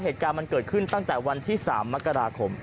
เหตุการณ์มันเกิดขึ้นตั้งแต่วันที่๓มกราคม